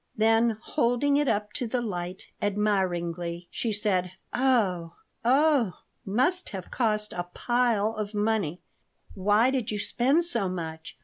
Then, holding it up to the light admiringly, she said: "Oh! Oh! Must have cost a pile of money! Why did you spend so much?